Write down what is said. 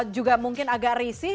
juga mungkin agak risih